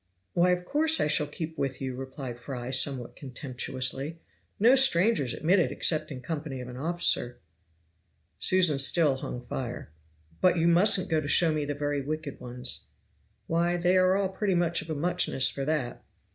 "Why of course I shall keep with you," replied Fry somewhat contemptuously. "No strangers admitted except in company of an officer." Susan still hung fire. "But you mustn't go to show me the very wicked ones." "Why they are all pretty much of a muchness for that."